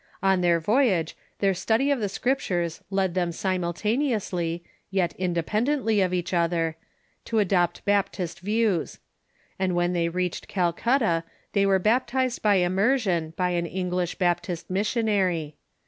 On their voy age their study of the Scriptures led them simultaneously, yet independently of each other, to adopt Baptist views ; and when they reached Calcutta they were baptized by immersion by an P^nglish Baptist missionary.